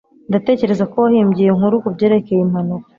Ndatekereza ko wahimbye iyo nkuru kubyerekeye impanuka